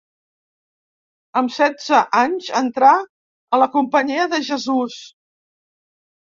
Amb setze anys entrà a la Companyia de Jesús.